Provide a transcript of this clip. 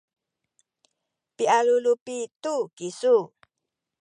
pialulupi tu kisu